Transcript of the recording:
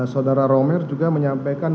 saudara romer juga menyampaikan